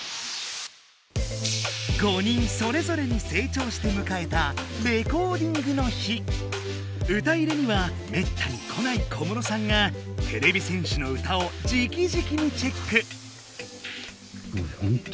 ５人それぞれにせいちょうしてむかえた歌入れにはめったに来ない小室さんがてれび戦士の歌をじきじきにチェック！